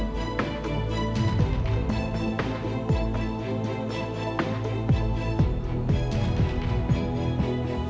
ก็เลือกวงสั้นต้อง